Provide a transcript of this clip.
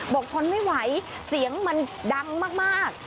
ทนไม่ไหวเสียงมันดังมาก